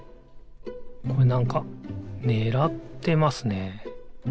これなんかねらってますね。